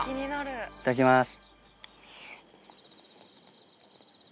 いただきます。